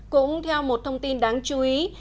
cũng theo một thông tin đáng chú ý